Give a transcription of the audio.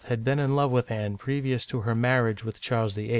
had been in love with Anne previous to her marriage with Charles VIII.